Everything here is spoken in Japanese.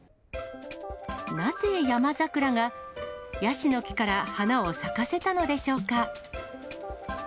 なぜ、ヤマザクラがヤシの木から花を咲かせたのでしょうか。